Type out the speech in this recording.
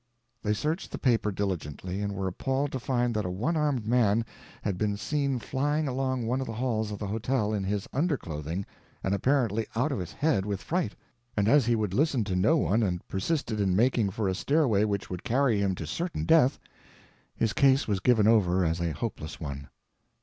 They searched the paper diligently, and were appalled to find that a one armed man had been seen flying along one of the halls of the hotel in his underclothing and apparently out of his head with fright, and as he would listen to no one and persisted in making for a stairway which would carry him to certain death, his case was given over as a hopeless one.